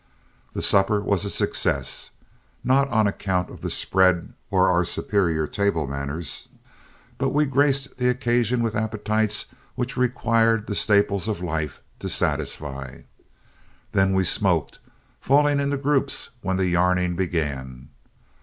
The supper was a success, not on account of the spread or our superior table manners, but we graced the occasion with appetites which required the staples of life to satisfy. Then we smoked, falling into groups when the yarning began.